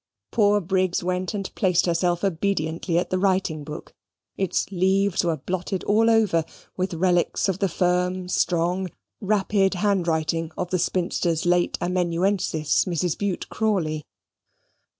Poor Briggs went and placed herself obediently at the writing book. Its leaves were blotted all over with relics of the firm, strong, rapid handwriting of the spinster's late amanuensis, Mrs. Bute Crawley.